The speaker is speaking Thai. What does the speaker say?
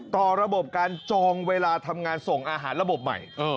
ต่อระบบการจองเวลาทำงานส่งอาหารระบบใหม่